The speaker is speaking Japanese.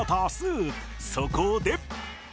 そこで